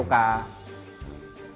untuk membuat kertas seperti ini